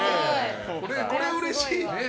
これうれしいね。